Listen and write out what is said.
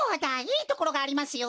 いいところがありますよ。